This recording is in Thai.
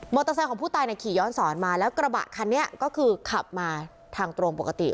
เตอร์ไซค์ของผู้ตายเนี่ยขี่ย้อนสอนมาแล้วกระบะคันนี้ก็คือขับมาทางตรงปกติ